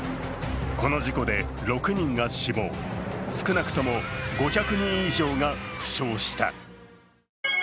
この事故で６人が死亡、少なくとも５００人以上が負傷した。